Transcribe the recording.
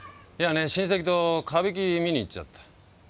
いやね親戚と歌舞伎見に行っちゃった。